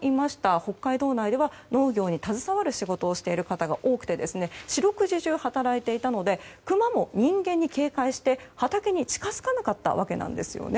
北海道内では農業に携わる仕事をしている方が多くて、四六時中働いていたのでクマも人間に警戒して畑に近づかなかったんですね。